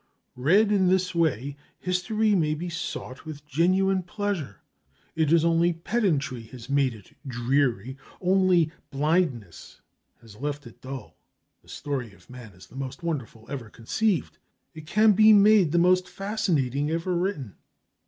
Read in this way, history may be sought with genuine pleasure. It is only pedantry has made it dreary, only blindness has left it dull. The story of man is the most wonderful ever conceived. It can be made the most fascinating ever written.